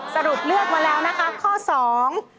สรุปเลือกมาแล้วนะคะข้อสอง